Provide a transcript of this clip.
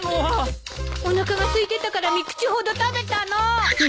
おなかがすいてたから三口ほど食べたの！